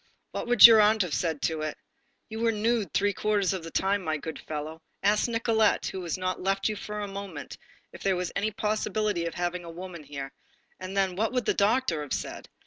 What would your aunt have said to it? You were nude three quarters of the time, my good fellow. Ask Nicolette, who has not left you for a moment, if there was any possibility of having a woman here. And then, what would the doctor have said?